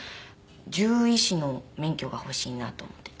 獣医師の免許が欲しいなと思っていて。